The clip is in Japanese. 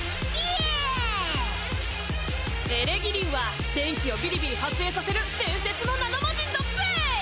エレギリンは電気をビリビリ発生させる伝説の７マジンだぜーい！